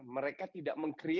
mereka tidak mengkawal bola